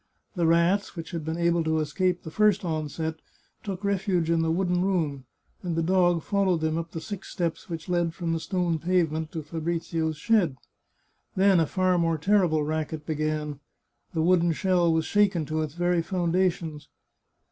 The rats, which had been able to escape the first onset, took refuge in the wooden room, and the dog followed them up the six steps which led from the stone pavement to Fabrizio's shed. Then a far more terrible racket began. The wooden shell was shaken to its very foundations.